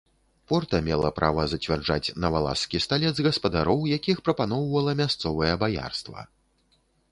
Порта мела права зацвярджаць на валашскі сталец гаспадароў, якіх прапаноўвала мясцовае баярства.